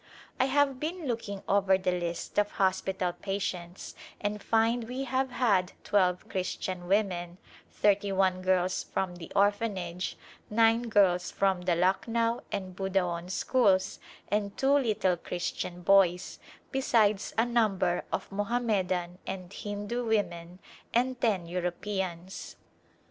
I have been looking over the list of hos pital patients and find we have had twelve Christian women, thirty one girls from the Orphanage, nine girls from the Lucknow and Budaon schools and two little Christian boys, besides a number of Moham medan and Hindu women and ten Europeans.